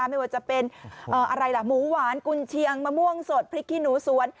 ไม่ว่าจะเป็นอะไรล่ะหมูหวานกุญเชียงมะม่วงสดพริกขี้หนูสวน